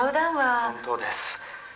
「本当です。